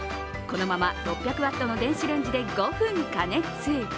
このまま６００ワットの電子レンジで５分加熱。